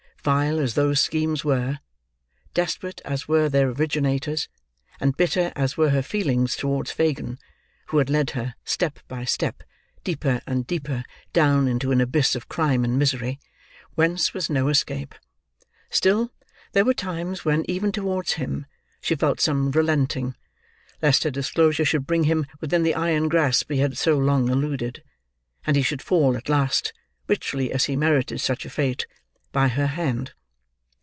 Vile as those schemes were, desperate as were their originators, and bitter as were her feelings towards Fagin, who had led her, step by step, deeper and deeper down into an abyss of crime and misery, whence was no escape; still, there were times when, even towards him, she felt some relenting, lest her disclosure should bring him within the iron grasp he had so long eluded, and he should fall at last—richly as he merited such a fate—by her hand.